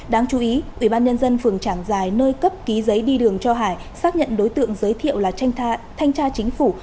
đáng chú ý ủy ban nhân dân phường trảng giải nơi cấp ký giấy đi đường cho hải xác nhận đối tượng giới thiệu là thanh tra chính phủ